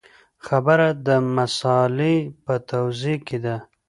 خبره د مسألې په توضیح کې ده.